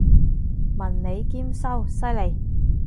文理兼修，犀利！